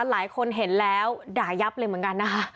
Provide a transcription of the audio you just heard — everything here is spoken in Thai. หลายคนเห็นแล้วด่ายับเลยเหมือนกันนะคะ